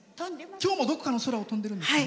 今日もどこかを飛んでるんですね？